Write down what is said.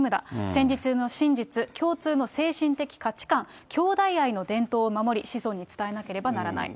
戦時中の真実、共通の精神的価値観、兄弟愛の伝統を守り、子孫に伝えなければならない。